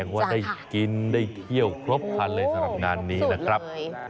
งั้นจะแสดงได้กินได้เที่ยวครอบครับเลยสำหรับงานนี้นะครับ